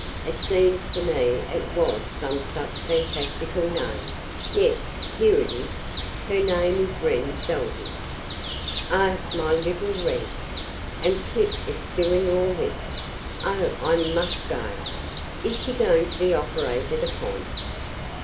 "It seems to me it was some such fantastical name yes, here it is. Her name is Wren Salvey." "Oh, my little Wren! And Clip is doing all this! Oh, I must go! Is she going to be operated upon?"